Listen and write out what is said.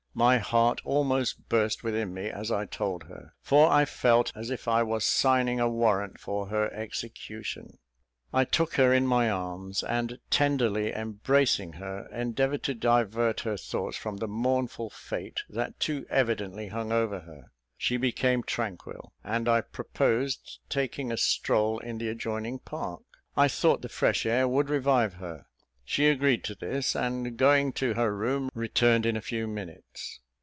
My heart almost burst within me, as I told her, for I felt as if I was signing a warrant for her execution. I took her in my arms, and, tenderly embracing her, endeavoured to divert her thoughts from the mournful fate that too evidently hung over her; she became tranquil, and I proposed taking a stroll in the adjoining park. I thought the fresh air would revive her. She agreed to this; and, going to her room, returned in a few minutes.